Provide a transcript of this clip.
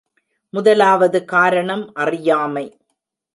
முதலாவது காரணம் அறியாமை.